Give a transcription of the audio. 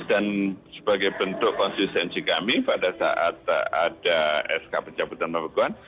dan sebagai bentuk konsistensi kami pada saat ada sk pecah putaran pembekuan